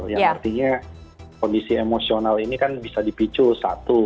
yang artinya kondisi emosional ini kan bisa dipicu satu